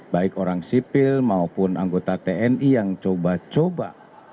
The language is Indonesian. baik orang sipil maupun anggota tni yang coba coba